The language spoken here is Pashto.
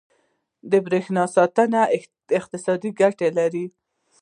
• د برېښنا ساتنه اقتصادي ګټه لري.